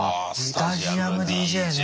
スタジアムＤＪね！